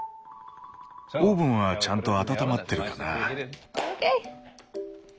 オーブンはちゃんと温まってるかな？